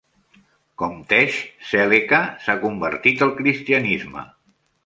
Com Tesh, Selleca s'ha convertit al cristianisme.